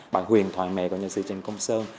bà huyền thoại mẹ của nhạc sĩ trần công sơn